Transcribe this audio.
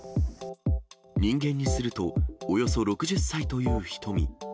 人間にすると、およそ６０歳というヒトミ。